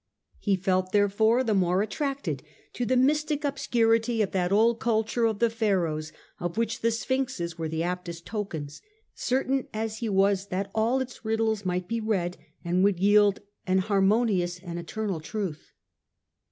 He felt, there fore, the more attracted to the mystic obscurity of that old culture of the Pharaohs, of which the Sphinxes were the aptest tokens, certain as he was that all its riddles might be read, and would yield an harmonious and eternal truth.